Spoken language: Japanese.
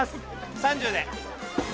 ３０で。